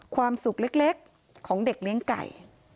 ความสุขเล็กของเด็กเลี้ยงไก่